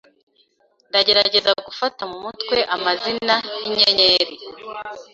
Ndagerageza gufata mu mutwe amazina yinyenyeri.